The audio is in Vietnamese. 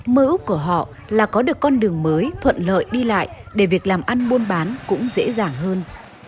mơ ước của họ là có được con đường mới thuận lợi đi lại để việc làm ăn buôn bán cũng dễ dàng hơn